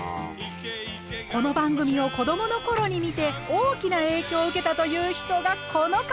この番組を子どもの頃に見て大きな影響を受けたという人がこの方！